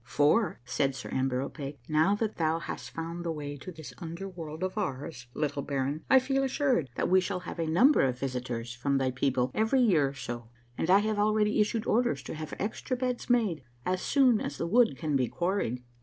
" For," said Sir Amber O'Pake, "now that thou hast found the way to this under world of ours, little baron, I feel assured that we shall have a number of visitors from thy people every year or so, and I have already issued orders to have extra beds made as soon as the wood can be quarried."